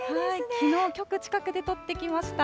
きのう、局近くで撮ってきました。